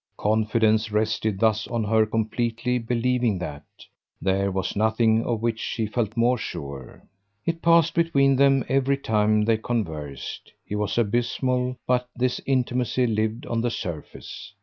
Confidence rested thus on her completely believing that: there was nothing of which she felt more sure. It passed between them every time they conversed; he was abysmal, but this intimacy lived on the surface.